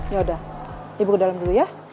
yaudah ibu ke dalam dulu ya